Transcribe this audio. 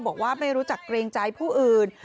บอกว่าไม่รู้จักเกรงใจผู้อื่น